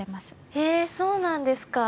へえそうなんですか。